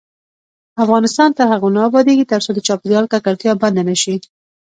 افغانستان تر هغو نه ابادیږي، ترڅو د چاپیریال ککړتیا بنده نشي.